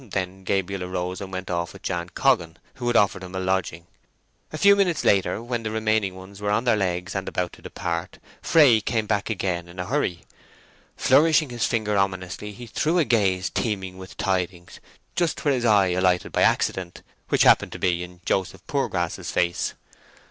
Then Gabriel arose and went off with Jan Coggan, who had offered him a lodging. A few minutes later, when the remaining ones were on their legs and about to depart, Fray came back again in a hurry. Flourishing his finger ominously he threw a gaze teeming with tidings just where his eye alighted by accident, which happened to be in Joseph Poorgrass's face.